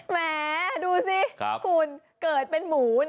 แหมดูสิคุณเกิดเป็นหมู